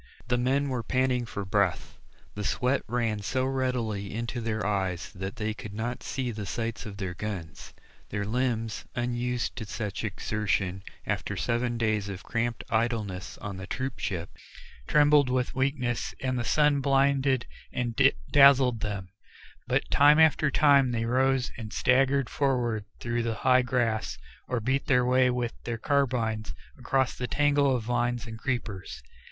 The men were panting for breath; the sweat ran so readily into their eyes that they could not see the sights of their guns; their limbs unused to such exertion after seven days of cramped idleness on the troop ship, trembled with weakness and the sun blinded and dazzled them; but time after time they rose and staggered forward through the high grass, or beat their way with their carbines against the tangle of vines and creepers.